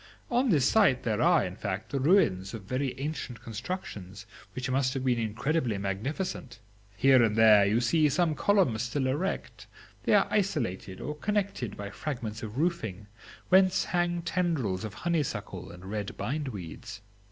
On this site there are, in fact, the ruins of very ancient constructions, which must have been incredibly magnificent. Here and there you see some columns still erect; they are isolated or connected by fragments of roofing, whence hang tendrils of honeysuckle and red bind weeds.